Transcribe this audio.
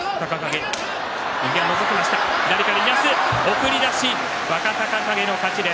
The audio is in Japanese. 送り出し若隆景の勝ち。